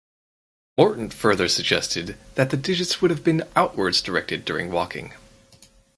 Morton further suggested that the digits would have been outwards directed during walking.